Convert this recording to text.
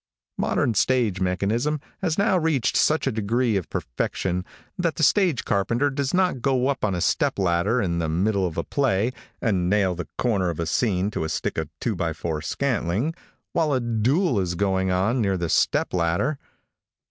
Modern stage mechanism has now reached such a degree of perfection that the stage carpenter does not go up on a step ladder, in the middle of a play, and nail the corner of a scene to a stick of 2x4 scantling, while a duel is going on near the step ladder.